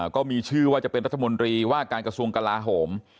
ก็มีชื่อว่าจะเป็นรัฐมนตรีว่าการกระทรวงกลาโหม